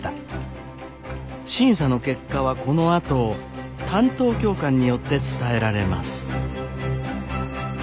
審査の結果はこのあと担当教官によって伝えられます。